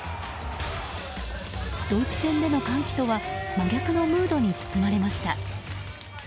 ドイツ戦での歓喜とは真逆のムードに包まれました。